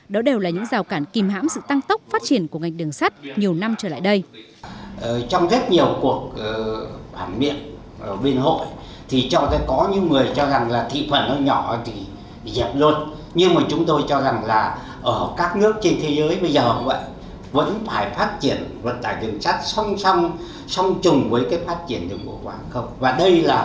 đó đều là những rào cản kìm hãm sự tăng tốc phát triển của ngành đường sắt nhiều năm trở lại đây